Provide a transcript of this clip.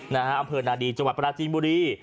อำเภอนาดีจังหวัดปราจีนบุรี